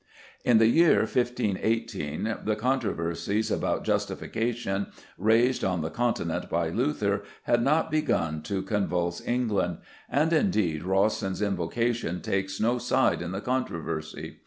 '... In the year 1518 the controversies about justification raised on the Continent by Luther had not begun to convulse England; and indeed Rawson's invocation takes no side in the controversy.